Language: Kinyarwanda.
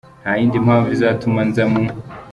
Nta yindi mpamvu izatuma nza mu